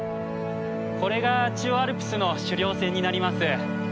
これが中央アルプスの主稜線になります。